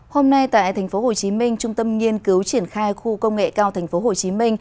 hôm nay tại tp hcm trung tâm nghiên cứu triển khai khu công nghệ cao tp hcm